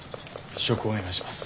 試食をお願いします。